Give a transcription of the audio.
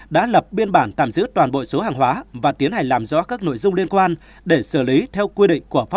đã lập biên bản tạm giữ toàn bộ số hàng hóa và tiến hành làm rõ các nội dung liên quan để xử lý theo quy định của pháp luật